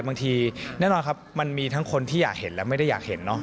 แน่นอนครับมันมีทั้งคนที่อยากเห็นและไม่ได้อยากเห็นเนอะ